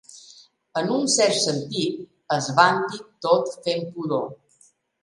En un cert sentit, es vanti tot fent pudor.